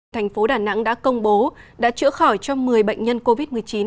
thành phố đà nẵng đã công bố đã chữa khỏi cho một mươi bệnh nhân covid một mươi chín